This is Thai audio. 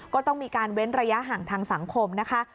ก็ต้องมีการเว้นระยะห่างทางสังคมนะคะ